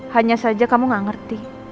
hanya saja kamu gak ngerti